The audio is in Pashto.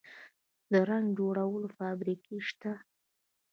د رنګ جوړولو فابریکې شته؟